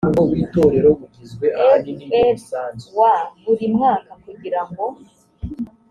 frw buri mwaka kugirango